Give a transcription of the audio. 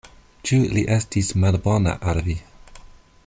Ĉu li estis malbona al vi?